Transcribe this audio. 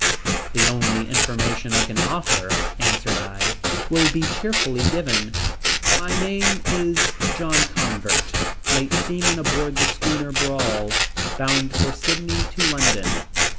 "The only information I can offer," answered I, "will be cheerfully given. My name is John Convert, late seaman aboard the schooner Brawl, bound from Sydney to London.